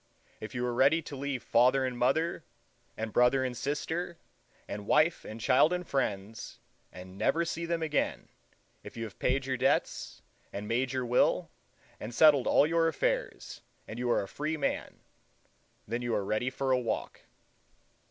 If you are ready to leave father and mother, and brother and sister, and wife and child and friends, and never see them again,—if you have paid your debts, and made your will, and settled all your affairs, and are a free man; then you are ready for a walk.